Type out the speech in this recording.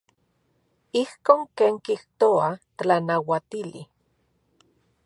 Ijkon ken kijtoa tlanauatili.